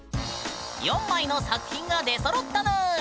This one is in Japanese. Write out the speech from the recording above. ４枚の作品が出そろったぬん！